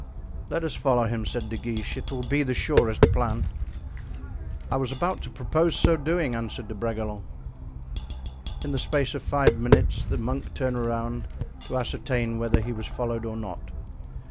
"Let us follow him," said De Guiche; "it will be the surest plan." "I was about to propose so doing," answered De Bragelonne. In the space of five minutes the monk turned around to ascertain whether he was followed or not.